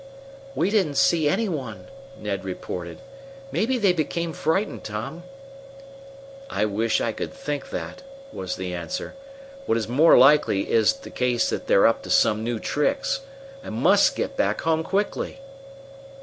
"We didn't see any one," Ned reported. "Maybe they became frightened, Tom." "I wish I could think that," was the answer. "What is more likely to be the case is that they're up to some new tricks. I must get back home quickly."